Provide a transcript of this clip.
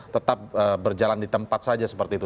tetap berjalan di tempat saja seperti itu